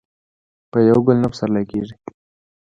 په یو ګل نه پسرلې کیږي.